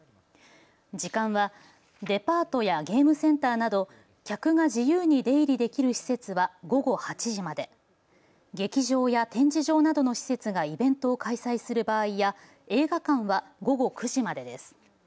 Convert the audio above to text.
時間はデパートやゲームセンターなど客が自由に出入りできる施設は午後８時まで、劇場や展示場などの施設がイベントを開催する場合や映画館は午後９時までです。